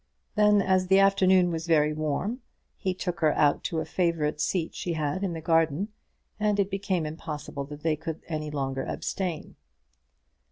Then, as the afternoon was very warm, he took her out to a favourite seat she had in the garden, and it became impossible that they could longer abstain.